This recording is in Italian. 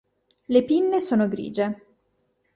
Le pinne sono grigie.